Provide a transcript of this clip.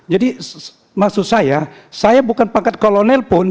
jadi maksud saya saya bukan pakat kolonel pun